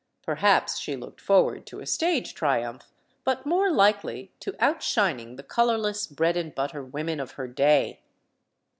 Perhaps she looked forward to a stage triumph, but more likely to outshining the colorless bread and butter women of her day.